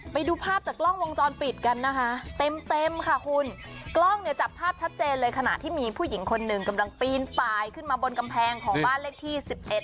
ไปดูภาพจากกล้องวงจรปิดกันนะคะเต็มเต็มค่ะคุณกล้องเนี่ยจับภาพชัดเจนเลยขณะที่มีผู้หญิงคนหนึ่งกำลังปีนปลายขึ้นมาบนกำแพงของบ้านเลขที่สิบเอ็ด